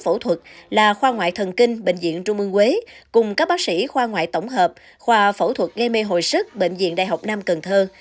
phẫu thuật là khoa ngoại thần kinh bệnh viện trung mương quế cùng các bác sĩ khoa ngoại tổng hợp khoa phẫu thuật nghe mê hồi sức bệnh viện đại học nam cần thơ